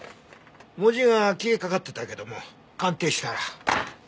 文字が消えかかってたけども鑑定したら。